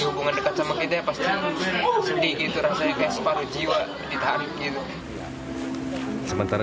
hubungan dekat sama kita pasti sedih gitu rasanya seperti jiwa di tarik gitu sementara